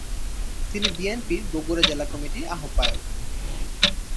তিনি বিএনপির বগুড়া জেলা কমিটির আহ্বায়ক।